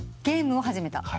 ゲームを始めた？